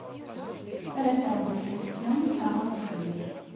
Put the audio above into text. Ar ad tɛeddi tfaska, taɣeḍ ufrik.